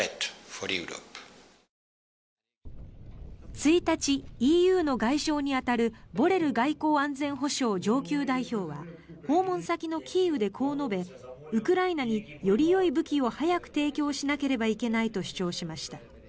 １日、ＥＵの外相に当たるボレル外交安全保障上級代表は訪問先のキーウでこう述べウクライナによりよい武器を早く提供しなければいけないと主張しました。